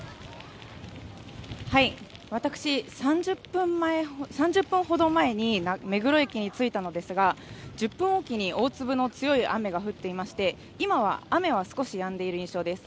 私、３０分ほど前に目黒駅に着いたのですが１０分おきに大粒の強い雨が降っていまして今は、雨は少しやんでいる印象です。